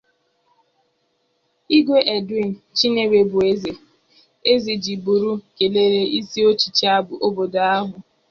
Igwe Edwin Chinewubeze Ezejiburu kelere isi ọchịchị obodo ahụ